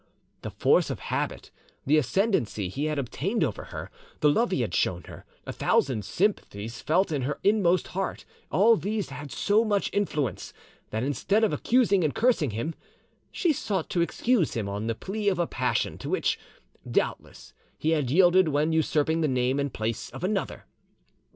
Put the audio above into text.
The force of habit, the ascendancy he had obtained over her, the love he had shown her, a thousand sympathies felt in her inmost heart, all these had so much influence, that, instead of accusing and cursing him, she sought to excuse him on the plea of a passion to which, doubtless, he had yielded when usurping the name and place of another.